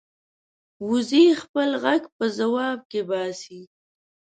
وزې خپل غږ په ځواب کې باسي